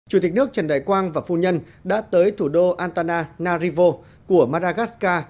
chủ tịch nước trần đại quang và phu nhân đã tới thủ đô antana narivo của maragascar